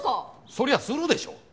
そりゃするでしょ。